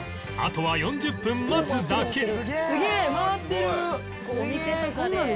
あとは４０分待つだけ